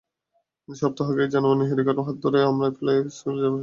তিন সপ্তাহ আগে, এই জানোয়ার নীহারিকার হাত ধরে আমার প্লেস্কুলে প্রবেশ করেছে।